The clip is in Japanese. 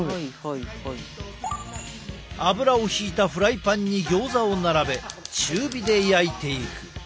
油をひいたフライパンにギョーザを並べ中火で焼いていく。